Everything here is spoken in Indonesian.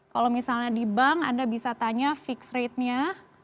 kalau misalnya di bank anda bisa tanya fixed ratenya